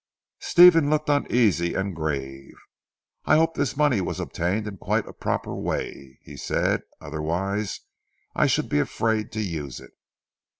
Stephen looked uneasy and grave. "I hope this money was obtained in quite a proper way," he said, "otherwise I should be afraid to use it.